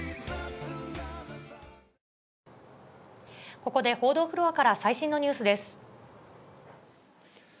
ここで報道フロアから最新のニュースです。